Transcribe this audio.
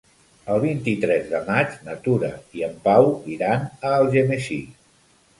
El vint-i-tres de maig na Tura i en Pau iran a Algemesí.